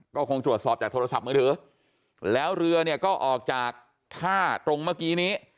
ก็คงตรวจสอบจากโทรศัพท์มือถือแล้วเรือเนี่ยก็ออกจากท่าตรงเมื่อกี้นี้